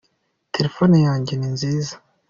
telefone yanjye ninziza